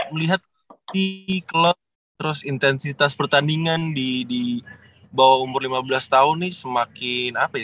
melihat terus intensitas pertandingan di bawah umur lima belas tahun ini semakin apa ya